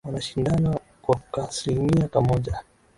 wanashindana kwa kaaslimia kamoja